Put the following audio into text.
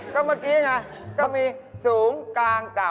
ก็เมื่อกี้ไงก็มีสูงกลางต่ำ